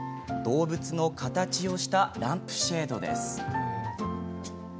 動物の形をしたランプシェードです。